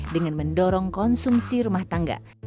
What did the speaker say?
dengan mendorong konsumsi rumah tangga